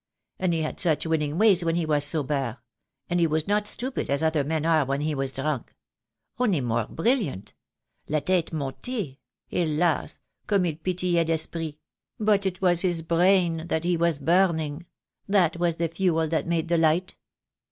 And he had such winning ways when he was sober — and he was not stupid as other men are when he was drunk — only more brilliant — la tete montee — lie'las , com vie il pe'tillait d' esprit — but it was his brain that he was burning — that was the fuel that made the light.